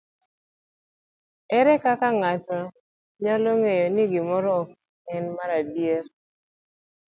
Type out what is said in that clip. Ere kaka ng'ato nyalo ng'eyo ni gimoro ok en mar adier?